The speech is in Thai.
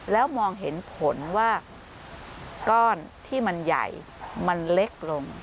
แล้วมองเห็นผลว่าก้อนที่มันใหญ่มันเล็กลง